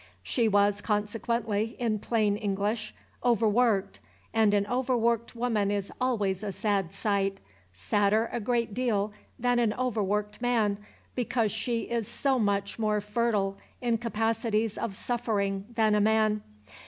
She was consequently, in plain English, overworked, and an overworked woman is always a sad sight, sadder a great deal than an overworked man, because she is so much more fertile in capacities of suffering than a man.